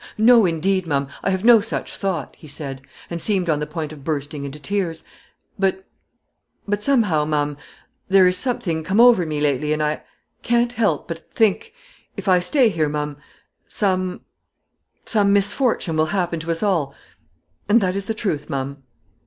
"No, indeed, ma'am, I have no such thought," he said, and seemed on the point of bursting into tears; "but but, somehow ma'am, there is something come over me, lately, and I can't help, but think, if I stay here, ma'am some some misfortune will happen to us all and that is the truth, ma'am."